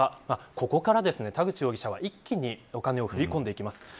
ここから田口容疑者は一気にお金を振り込んでいきます。